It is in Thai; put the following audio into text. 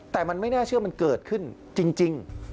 แต่มันไม่น่าเชื่อมันเกิดขึ้นจริง